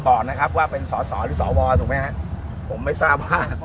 ก่อนนะครับว่าเป็นสอสอหรือสวถูกไหมฮะผมไม่ทราบว่า